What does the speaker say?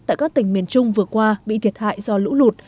tại các tỉnh miền trung vừa qua bị thiệt hại do lũ lụt